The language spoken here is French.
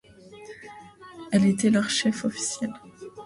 Elle était leur chef officiel.